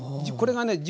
これがね